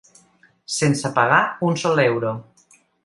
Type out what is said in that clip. Sense pagar un sol euro.